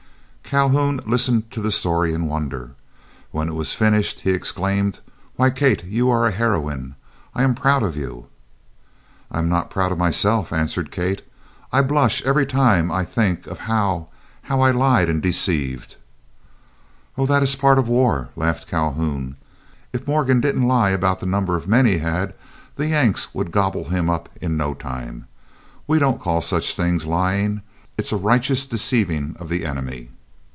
(2) Calhoun listened to the story in wonder. When it was finished, he exclaimed: "Why, Kate, you are a heroine! I am proud of you." "I am not proud of myself," answered Kate. "I blush every time I think of how—how I lied and deceived." "Oh! that is a part of war," laughed Calhoun. "If Morgan didn't lie about the number of men he had, the Yanks would gobble him up in no time. We don't call such things lying; it's a righteous deceiving of the enemy."